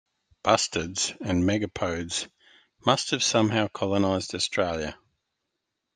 Bustards and megapodes must have somehow colonized Australia.